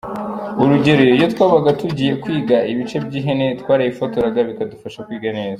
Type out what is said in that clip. Urugero, iyo twabaga tugiye kwiga ibice by’ihene twarayifotoraga bikadufasha kwiga neza”.